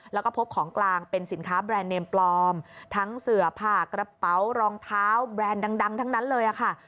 แล้วก็พบของกลางเป็นสินค้าแบรนด์เนมปลอมทั้งเสือผ่ากระเป๋ารองเท้าแบรนด์ดังทั้งนั้นเลยค่ะ